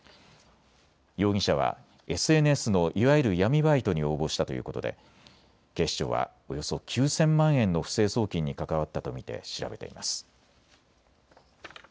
容疑者はＳＮＳのいわゆる闇バイトに応募したということで警視庁はおよそ９０００万円の不正送金に関わったと見て調べています。